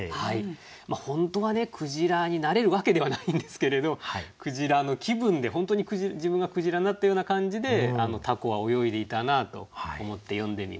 本当はねクジラになれるわけではないんですけれどクジラの気分で本当に自分がクジラになったような感じで凧は泳いでいたなと思って詠んでみました。